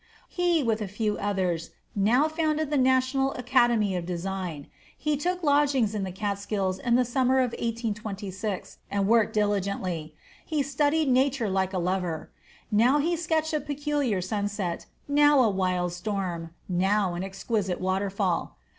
He with a few others now founded the National Academy of Design. He took lodgings in the Catskills in the summer of 1826, and worked diligently. He studied nature like a lover; now he sketched a peculiar sunset, now a wild storm, now an exquisite waterfall.